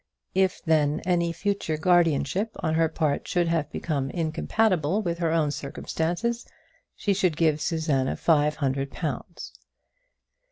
If then any future guardianship on her part should have become incompatible with her own circumstances, she should give Susanna five hundred pounds.